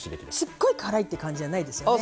すっごい辛いって感じじゃないですよね。